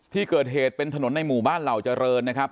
ที่เกิดเหตุเป็นถนนในหมู่บ้านเหล่าเจริญนะครับ